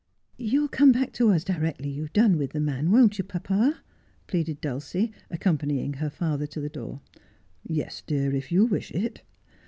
' You'll come back to us directly you've done with the man, won't you, papa ?' pleaded Dulcie, accompanying her father to the door. ' Yes, dear, if you wish it.'